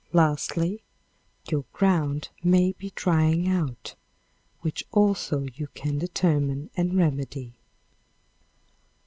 Lastly, your ground may be drying out, which also you can determine and remedy.